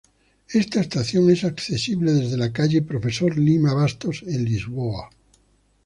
Esta estación es accesible desde la calle Profesor Lima Bastos, en Lisboa.